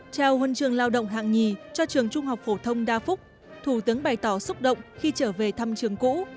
trao huân trường lao động hạng nhì cho trường trung học phổ thông đa phúc thủ tướng bày tỏ xúc động khi trở về thăm trường cũ